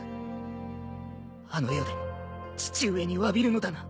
あの世で父上にわびるのだな。